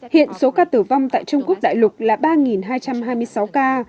hiện số ca tử vong tại trung quốc đại lục là ba hai trăm hai mươi sáu ca